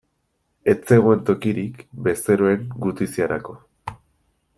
Ez zegoen tokirik bezeroen gutiziarako.